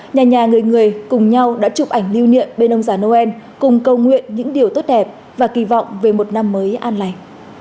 nhà nhà người người cùng nhau đã chụp ảnh lưu niệm bên ông già noel cùng cầu nguyện những điều tốt đẹp và kỳ vọng về một năm mới an lành